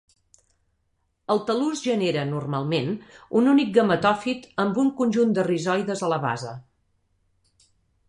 El tal·lus genera, normalment, un únic gametòfit amb un conjunt de rizoides a la base.